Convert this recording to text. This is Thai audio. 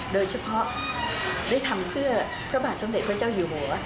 โดยเฉพาะได้ทำเพื่อพระบาทสมเด็จพระเจ้าอยู่หัว